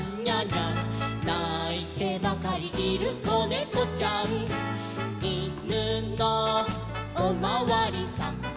「ないてばかりいるこねこちゃん」「いぬのおまわりさん」